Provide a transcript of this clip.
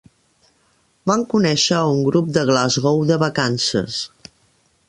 Van conèixer a un grup de Glasgow de vacances.